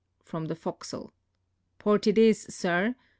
" from the forecastle. " Port it is, sir